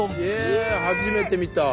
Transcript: え初めて見た。